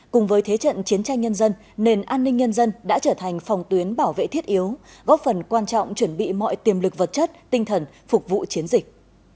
cùng với thế trận chiến tranh nhân dân nền an ninh nhân dân đã trở thành phòng tuyến bảo vệ thiết yếu góp phần quan trọng chuẩn bị mọi tiềm lực vật chất tinh thần phục vụ chiến dịch